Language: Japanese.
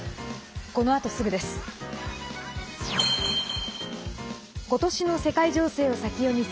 このあとすぐです。